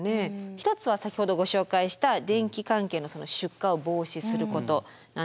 一つは先ほどご紹介した電気関係の出火を防止することなんですね。